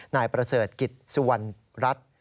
นายประเสริฐกิจสุวรรณรัฐ